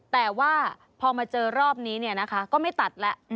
แต่ว่าพอมาเจอรอบนี้เนี่ยนะคะก็ไม่ตัดแล้ว